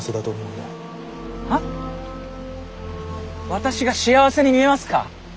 私が幸せに見えますか？